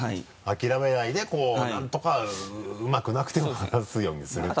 諦めないでこう何とかうまくなくても話すようにすると。